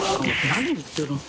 何言ってるん。